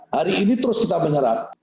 hari ini terus kita menyerap